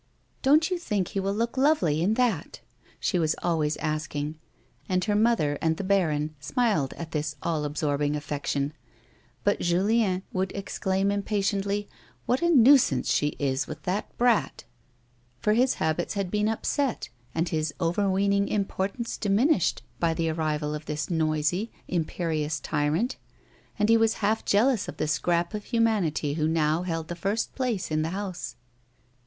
Don't you think he will look lovely in that 1 " she was always asking, and her mother and the baron smiled at this all absorbing affection; but Julien would exclaim, impatiently, " What a nuisance she is with that brat !" for his habits had been upset and his overweening importance diminished by the arrival of this noisy, imperious tyrant, and he was half jealous of the scrap of humanity who now held the first place in the house.